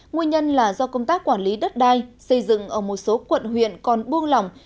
nguyên nhân là do công tác quản lý đất đai xây dựng ở một số quận huyện còn buông lỏng